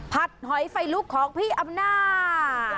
หอยไฟลุกของพี่อำนาจ